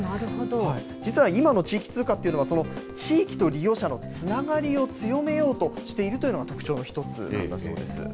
実は今の地域通貨っていうのは、地域と利用者のつながりを強めようとしているというのが、特徴の一つなんだそうです。